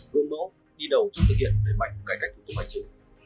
vương mẫu đi đầu trong thực hiện về mạnh cải cảnh của tổng hành trình